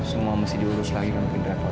semua mesti diurus lagi dengan pindah kotor